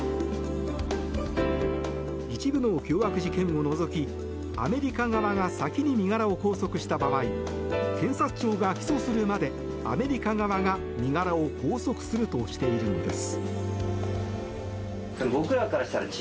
一部の凶悪事件を除きアメリカ側が先に身柄を拘束した場合検察庁が起訴するまでアメリカ側が身柄を拘束するとしているのです。